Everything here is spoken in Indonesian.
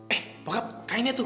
eh bokap kainnya tuh